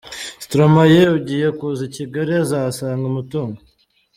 Stromae ugiye kuza i Kigali azahasanga umutungo.